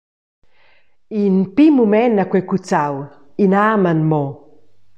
In pign mument ha quei cuzzau, in amen mo.